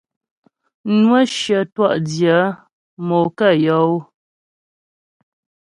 Nwə́ shyə twɔ'dyə̂ mo kə yɔ́ ó.